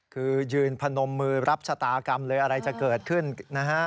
คือยืนพนมมือรับชะตากรรมเลยอะไรจะเกิดขึ้นนะฮะ